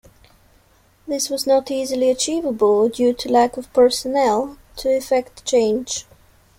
This was not easily achievable due to lack of personnel to effect change.